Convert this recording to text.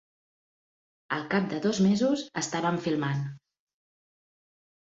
Al cap de dos mesos, estàvem filmant.